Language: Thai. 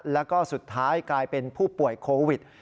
แล้วก็สุดท้ายกลายเป็นผู้ป่วยโควิด